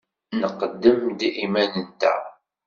Nqeddem-d iman-nteɣ.